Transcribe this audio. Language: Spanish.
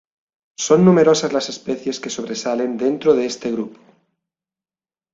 Son numerosas las especies que sobresalen dentro de este grupo.